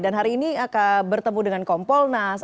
dan hari ini bertemu dengan kompolnas